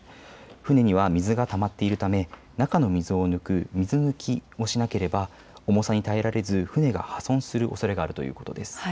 船には水がたまっているため中の水を抜く、水抜きをしなければ重さに耐えられず船が破損するおそれがあるということです。